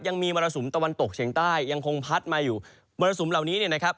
มรสุมตะวันตกเฉียงใต้ยังคงพัดมาอยู่มรสุมเหล่านี้เนี่ยนะครับ